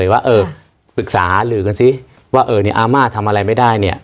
ว่าเออปรึกษาหรือกันซิว่าเออเนี่ยอามาทำอะไรไม่ได้เนี่ย